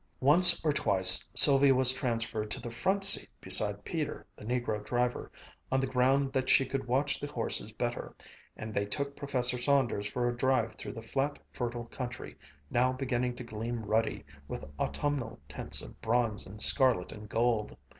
Once or twice Sylvia was transferred to the front seat beside Peter, the negro driver, on the ground that she could watch the horses better, and they took Professor Saunders for a drive through the flat, fertile country, now beginning to gleam ruddy with autumnal tints of bronze and scarlet and gold.